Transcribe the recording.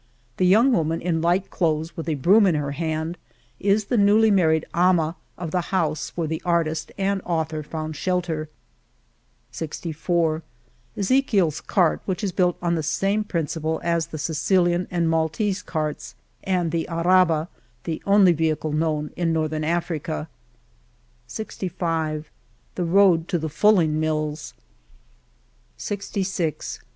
The young woman in light clothes, with a broom in her hand, is the newly married ''ama of the house where artist and author found shelter, ,.... ,62 EzechieVs cart, which is built on the same principle as the Sicilian and Maltese carts, and the " araba,^' the only vehicle known in Northern Africa, , 64 The road to the Fulling MUls, dj List of Illustrations Pag!